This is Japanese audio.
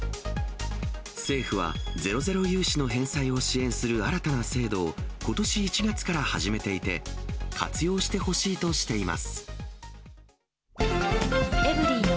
政府は、ゼロゼロ融資の返済を支援する新たな制度をことし１月から始めていて、活用してほしいとしています。